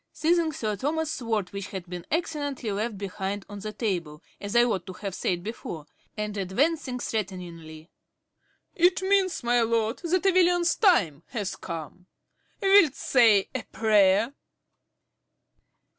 ~Roger~ (_seizing Sir Thomas's sword, which had been accidentally left behind on the table, as I ought to have said before, and advancing threateningly_). It means, my lord, that a villain's time has come. Wilt say a prayer?